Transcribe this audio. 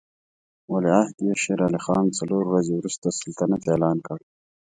ولیعهد یې شېر علي خان څلور ورځې وروسته سلطنت اعلان کړ.